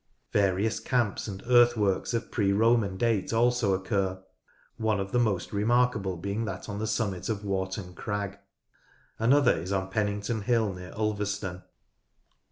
Various camps and earthworks of pre Roman date also occur, one of the most remarkable being that on the summit of Warton Crag: another is on Pennington Hill near Ulverston.